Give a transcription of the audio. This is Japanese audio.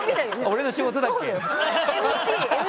俺の仕事だっけ？